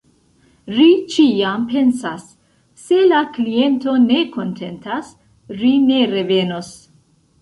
Ri ĉiam pensas "Se la kliento ne kontentas, ri ne revenos".